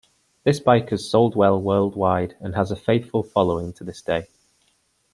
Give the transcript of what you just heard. This bike has sold well worldwide and has a faithful following to this day.